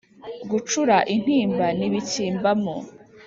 gucura intimba ntibikimbamo